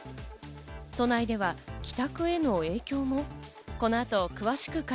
都内では帰宅への影響も。